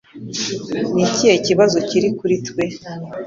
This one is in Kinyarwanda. Ni ikihe kibazo kiri kuri twe